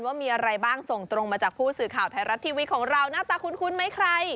ว่ามีอะไรบ้างส่งตรงมาจากผู้สื่อข่าวไทยรัฐทีวีของเราหน้าตาคุ้นไหมใคร